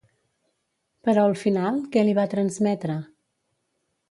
Però al final, què li va transmetre?